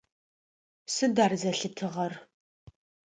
Сыд ар зэлъытыгъэр?